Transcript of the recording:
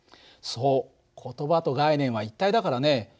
そう言葉と概念は一体だからね。